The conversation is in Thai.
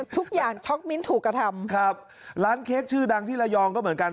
ช็อกมิ้นถูกกระทำครับร้านเค้กชื่อดังที่ระยองก็เหมือนกัน